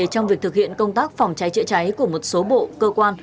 trong việc thực hiện công tác phòng cháy chữa cháy của một số bộ cơ quan